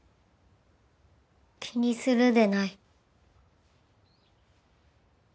気にするでない。